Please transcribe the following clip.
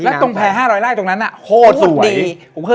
และตรงแผลห้าร้อยไล่ตรงนั้นอ่ะโหดสวย